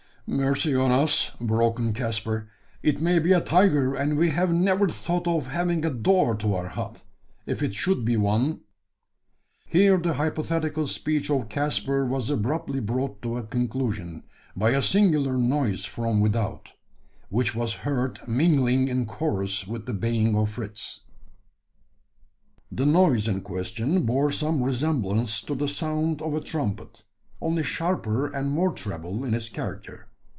"Mercy on us!" broke in Caspar; "it may be a tiger, and we have never thought of having a door to our hut! If it should be one " Here the hypothetic speech of Caspar was abruptly brought to a conclusion, by a singular noise from without which was heard mingling in chorus with the baying of Fritz. The noise in question bore some resemblance to the sound of a trumpet, only sharper and more treble in its character.